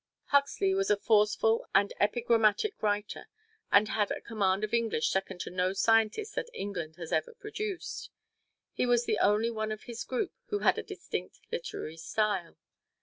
Huxley was a forceful and epigrammatic writer, and had a command of English second to no scientist that England has ever produced. He was the only one of his group who had a distinct literary style.